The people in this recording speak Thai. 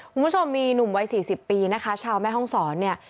คุณผู้ชมมีหนุ่มวัย๔๐ปีนะคะชาวแม่ห้องศรเนี่ย